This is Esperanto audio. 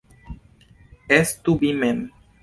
Estu vi mem.